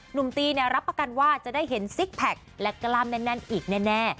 หนุ่มตีรับประกันว่าจะได้เห็นซิกแพคและกล้ามแน่นอีกแน่